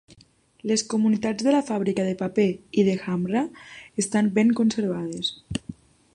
Les comunitats de la fàbrica de paper i de Hamra estan ben conservades.